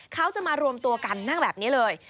เขาจะมารวมตัวกันนั่งแบบนี้เลย